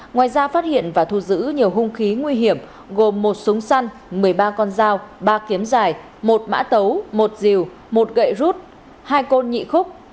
ngoài ra phát hiện và thu giữ nhiều hung khí nguy hiểm gồm một súng săn một mươi ba con dao ba kiếm dài một mã tấu một dìu một gậy rút hai côn nhị khúc